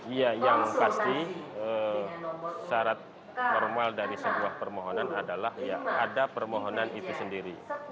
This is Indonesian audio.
iya yang pasti syarat normal dari sebuah permohonan adalah ya ada permohonan itu sendiri